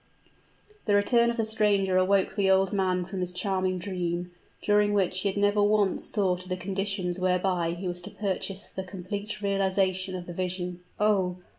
The return of the stranger awoke the old man from his charming dream, during which he had never once thought of the conditions whereby he was to purchase the complete realization of the vision. "Oh!